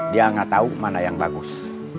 dia nggak tahu mana yang bagus